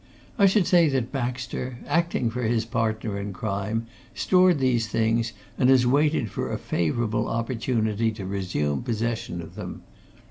I should say that Baxter, acting for his partner in crime, stored these things, and has waited for a favourable opportunity to resume possession of them.